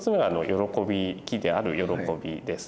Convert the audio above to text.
喜である喜びです。